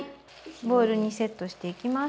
ボウルにセットしていきます。